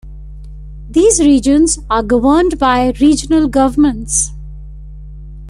These regions are governed by Regional Governments.